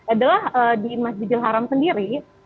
adalah di masjid jilharam sendiri